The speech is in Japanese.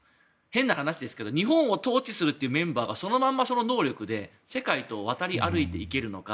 変な話ですけど日本を統治するメンバーがそのままその能力で世界と渡り歩いていけるのか。